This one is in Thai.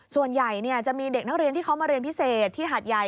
ส่วนใหญ่จะมีเด็กนักเรียนที่เขามาเรียนพิเศษที่หาดใหญ่